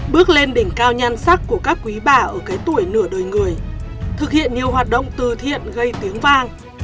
bước lên đỉnh cao nhan sắc của các quý bà ở cái tuổi nửa đời người thực hiện nhiều hoạt động từ thiện gây tiếng vang